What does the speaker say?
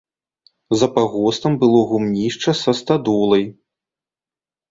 За пагостам было гумнішча са стадолай.